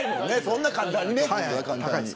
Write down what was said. そんな簡単にね。